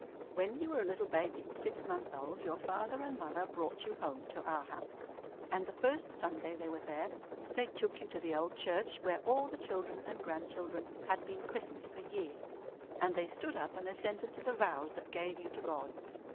When you were a little baby six months old, your father and mother brought you home to our house; and the first Sunday they were there they took you to the old church where all the children and grandchildren had been christened for years, and they stood up and assented to the vows that gave you to God.